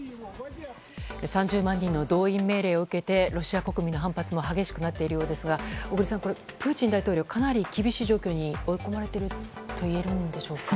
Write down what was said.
３０万人の動員命令を受けてロシア国民の反発も激しくなっているようですが小栗さん、プーチン大統領はかなり厳しい状況に追い込まれているといえるんでしょうか？